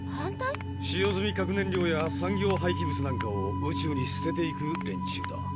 使用済み核燃料や産業はいき物なんかを宇宙に捨てていく連中だ。